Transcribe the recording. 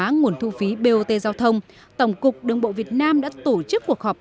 nguồn thu phí bot giao thông tổng cục đường bộ việt nam đã tổ chức cuộc họp